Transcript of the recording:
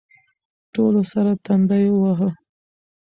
ټولو سر تندی واهه.